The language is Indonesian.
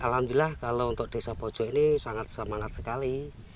alhamdulillah kalau untuk desa pojok ini sangat semangat sekali